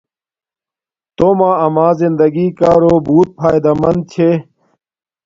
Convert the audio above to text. تومہ اما زندگی کارو بوت فاݵدامند چھے